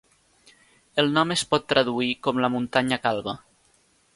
El nom es pot traduir com la "muntanya calba".